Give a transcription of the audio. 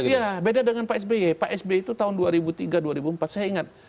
iya beda dengan pak sby pak sby itu tahun dua ribu tiga dua ribu empat saya ingat